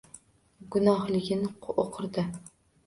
Gunohligin o’qirdi.